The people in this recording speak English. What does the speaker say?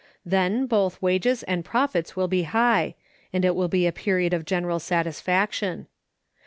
Then both wages and profits will be high, and it will be a period of general satisfaction.